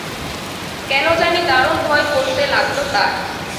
কেন জানি দারুণ ভয় করতে লাগল তার।